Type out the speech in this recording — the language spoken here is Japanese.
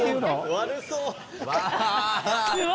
悪そう。